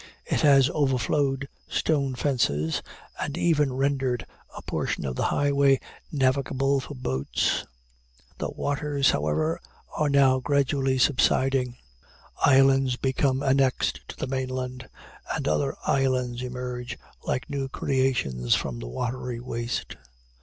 It has overflowed stone fences, and even rendered a portion of the highway navigable for boats. The waters, however, are now gradually subsiding; islands become annexed to the mainland, and other islands emerge like new creations from the watery waste.